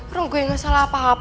orang gue gak salah apa apa kok